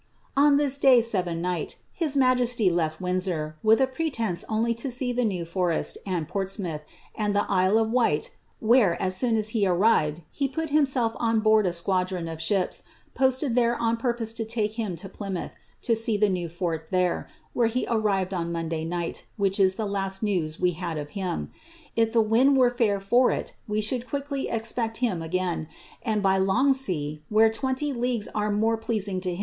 ^ On this day seven night,' his majesty leA Windsor, with a pretence only to sec the New Forest, and Portsmouth, and the Isle of Wight, where, as soon as he arrived, he put himself on boanl a squadron of 8 hips, posted there on purpose to take him to Plymouth, to see the new fort there, where he arrived on Monday night, which is the lust news we had of him. If the wind were fair for it, we should quickly exjxTt him again, and by hmt^ sea,' where twenty leagues are more pleasing to.